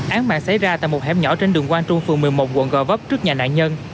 án mạng xảy ra tại một hẻm nhỏ trên đường quang trung phường một mươi một quận gò vấp trước nhà nạn nhân